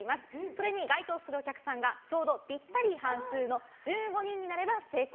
それに該当するお客さんがちょうどぴったり半数の１５人になれば成功！